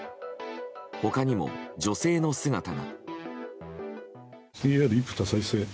他にも、女性の姿が。